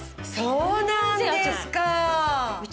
そうなんですか！